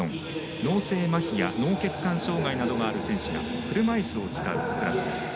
脳性まひや脳血管障がいなどがある選手が車いすを使うクラスです。